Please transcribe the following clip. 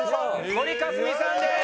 森香澄さんです。